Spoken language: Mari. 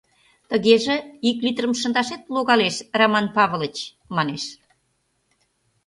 — Тыгеже, ик литрым шындашет логалеш, Раман Павлыч! — манеш.